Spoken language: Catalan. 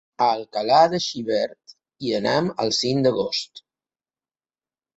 A Alcalà de Xivert hi anem el cinc d'agost.